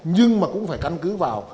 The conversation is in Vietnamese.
nhưng mà cũng phải căn cứ vào